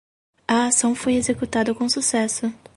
A ação foi executada com sucesso